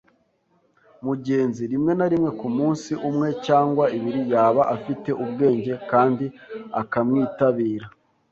mugenzi; rimwe na rimwe kumunsi umwe cyangwa ibiri yaba afite ubwenge kandi akamwitabira